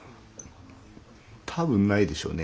多分ないでしょうね。